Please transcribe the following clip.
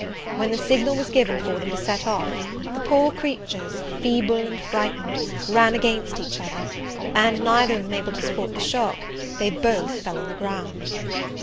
When the signal was given for them to set off, the poor creatures, feeble and frightened, ran against each other: and, neither of them able to support the shock, they both fell on the ground.